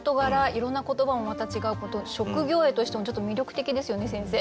いろんな言葉もまた違うこと職業詠としてもちょっと魅力的ですよね先生。